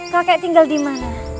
kakek tinggal dimana